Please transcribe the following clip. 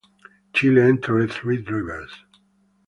Chile entered three divers.